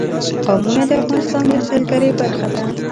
قومونه د افغانستان د سیلګرۍ برخه ده.